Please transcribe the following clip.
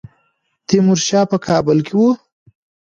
تیمورشاه په کابل کې وو.